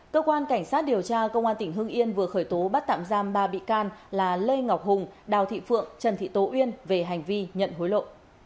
cơ quan cảnh sát điều tra công an tỉnh hưng yên vừa khởi tố bắt tạm giam ba bị can là lê ngọc hùng đào thị phượng trần thị tố uyên về hành vi nhận hối lộ